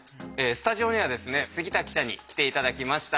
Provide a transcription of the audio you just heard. スタジオにはですね杉田記者に来て頂きました。